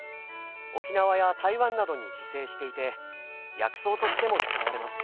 沖縄や台湾などに自生していて薬草としても使われます。